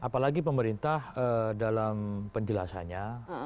apalagi pemerintah dalam penjelasannya